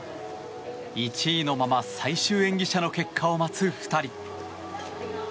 １位のまま最終演技者の結果を待つ２人。